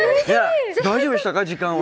大丈夫でしたか、時間は？